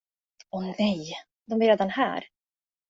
Åh nej, de är redan här.